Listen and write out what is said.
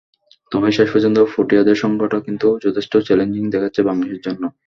তবে শেষ পর্যন্ত প্রোটিয়াদের সংগ্রহটা কিন্তু যথেষ্ট চ্যালেঞ্জিংই দেখাচ্ছে বাংলাদেশের জন্য।